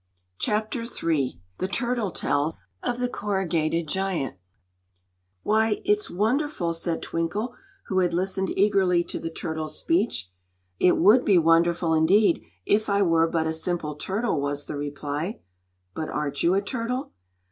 Chapter III The Turtle Tells of the Corrugated Giant "WHY, it's wonderful!" said Twinkle, who had listened eagerly to the turtle's speech. "It would be wonderful, indeed, if I were but a simple turtle," was the reply. "But aren't you a turtle?"